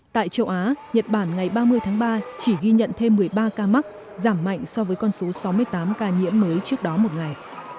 tại châu á nhật bản ngày ba mươi tháng ba chỉ ghi nhận thêm một mươi ba ca mắc giảm mạnh so với con số sáu mươi tám ca nhiễm mới trước đó một ngày